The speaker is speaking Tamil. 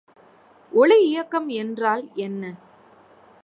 ஒளி இயக்கம் என்றால் என்ன?